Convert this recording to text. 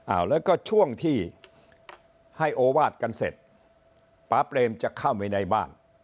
แล้วก็ช่วงที่ให้โอวาสกันเสร็จป๊าเปรมจะเข้าไปในบ้าน